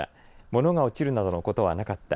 物が落ちるなどのことはなかった。